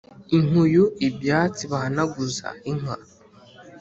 Inkuyu ibyatsi bahanaguza inka